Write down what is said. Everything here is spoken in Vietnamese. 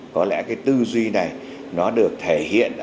có lẽ cái tư duy này nó được thể hiện